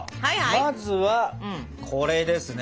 まずはこれですね？